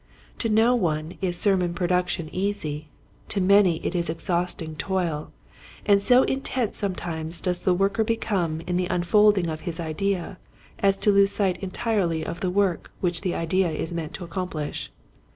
To no one is sermon production easy, to many it is exhausting toil ; and so intent sometimes does the worker become in the unfolding of his idea as to lose sight entirely of the work which the idea is meant to accomplish.